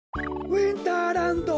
ウインターランド！